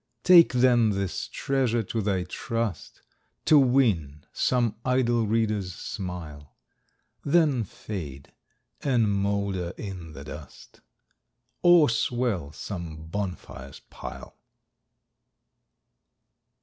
Take, then, this treasure to thy trust, To win some idle reader's smile, Then fade and moulder in the dust, Or swell some bonfire's pile.